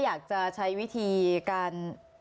อยากจะใช้วิธีการ